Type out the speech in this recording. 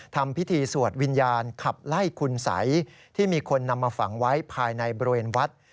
ทำพิธีสวดวิญญาณขับไล่คุณสัยที่มีคนนำมาฝังไว้ภายในบริเวณวัด